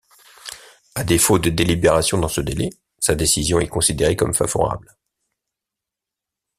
À défaut de délibération dans ce délai, sa décision est considérée comme favorable.